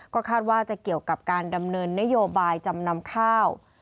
ก็คาดว่าจะเกี่ยวกับการดำเนินนโยบายจำนำข้าว